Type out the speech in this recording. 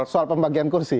soal pembagian kursi